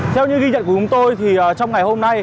theo những ghi nhận của chúng tôi thì trong ngày hôm nay